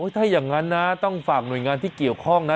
ถ้าอย่างนั้นนะต้องฝากหน่วยงานที่เกี่ยวข้องนะ